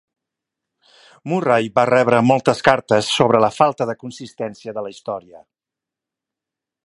Murray va rebre moltes cartes sobre la falta de consistència de la història.